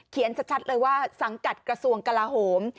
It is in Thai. ชัดเลยว่าสังกัดกระทรวงกลาโหม